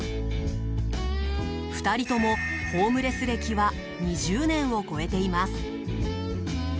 ２人ともホームレス歴は２０年を超えています。